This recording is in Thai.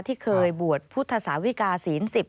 ที่เคยบวชพุทธศาวิกาศีล๑๐